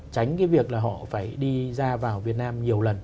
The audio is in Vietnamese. tránh cái việc là họ phải đi ra vào việt nam